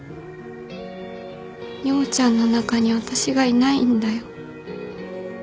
陽ちゃんの中に私がいないんだよ。